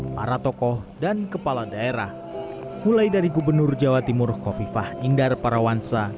para tokoh dan kepala daerah mulai dari gubernur jawa timur kofifah indar parawansa